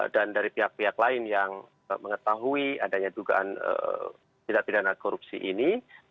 dan dari pihak pihak lain yang mengetahui adanya dugaan tidak pidana korupsi ini